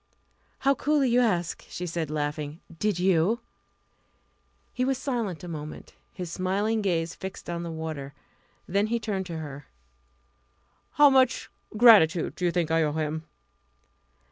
"How coolly you ask!" she said, laughing. "Did you?" He was silent a moment, his smiling gaze fixed on the water. Then he turned to her. "How much gratitude do you think I owe him?"